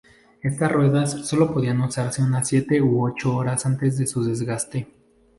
Estas ruedas solo podían usarse unas siete u ocho horas antes de su desgaste.